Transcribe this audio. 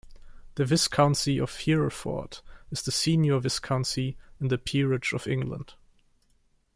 The viscountcy of Hereford is the senior viscountcy in the Peerage of England.